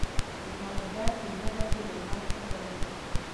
نن مازدیګر پینځه بجې د لمر سترګه ولوېده.